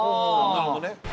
なるほどね。